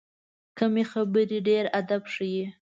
کمې خبرې، ډېر ادب ښیي.